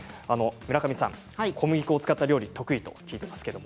村上さん、小麦粉を使った料理得意と聞いていますけれど。